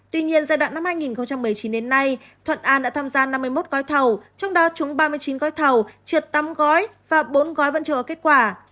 tuy nhiên giai đoạn năm hai nghìn một mươi chín đến nay thuận an đã tham gia năm mươi một gói thầu trong đó trúng ba mươi chín gói thầu trượt tám gói và bốn gói vẫn chờ kết quả